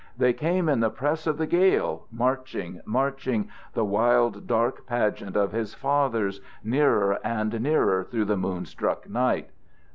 They came in the press of the gale, marching, marching, the wild, dark pageant of his fathers, nearer and nearer through the moon struck night.